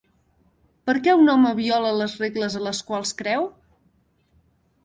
Per què un home viola les regles a les quals creu?